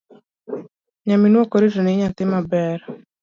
Nyaminu okoritoni nyathi maber.